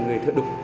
người thợ đục